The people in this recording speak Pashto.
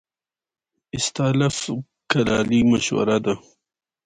استالف کلالي مشهوره ده؟